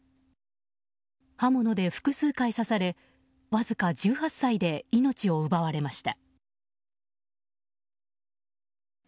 刃物で複数回刺されわずか１８歳で命を奪われました。